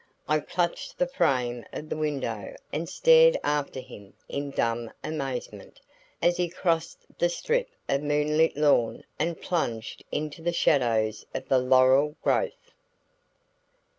I clutched the frame of the window and stared after him in dumb amazement, as he crossed the strip of moonlit lawn and plunged into the shadows of the laurel growth.